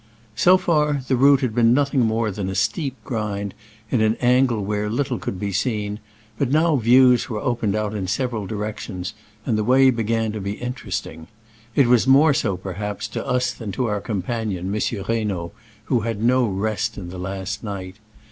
So far, the route had been nothing more than a steep grind in an angle where little could be seen, but now views opened out in several direc tions, and the way began to be interest ing. It was more so, perhaps, to us than to our companion, M. Reynaud, who had no rest in the last night.